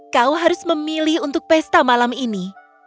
kau harus memilih untuk pesta malam ini